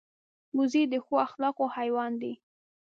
وزې د ښو اخلاقو حیوان دی